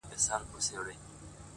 دا څنګه چل دی د ژړا او د خندا لوري!